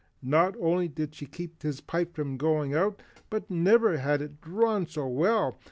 Not only did she keep his pipe from going out, but never had it drawn so well.